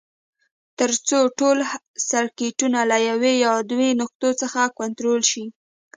تر څو ټول سرکټونه له یوې یا دوو نقطو څخه کنټرول شي.